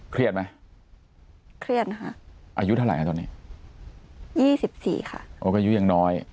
เครียดไหมเครียดค่ะอายุเท่าไหร่ตอนนี้๒๔ค่ะอายุยังน้อย